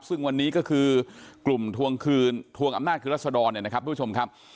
ซึ่งวันนี้ก็คือกลุ่มทวงคืนทวงอำนาจคือรัศดรเนี่ยนะครับทุกผู้ชมครับ